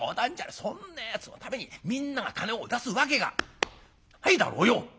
そんなやつのためにみんなが金を出すわけがないだろうよ！」。